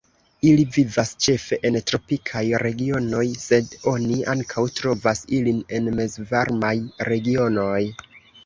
Ili vivas ĉefe en tropikaj regionoj, sed oni ankaŭ trovas ilin en mezvarmaj regionoj.